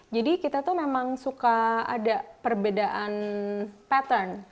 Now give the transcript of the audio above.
jadi kita tuh memang suka ada perbedaan pattern